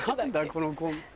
このコンビ。